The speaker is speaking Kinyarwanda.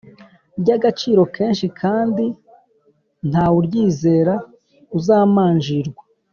Ry agaciro kenshi kandi nta wuryizera uzamanjirwa